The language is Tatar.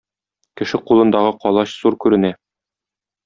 Кеше кулындагы калач зур күренә.